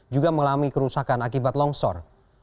juga mengalami kerusakan akibat longsor